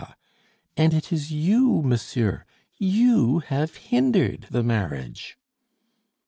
And it is you, monsieur, you have hindered the marriage."